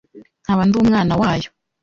nkaba ndi umwana wayo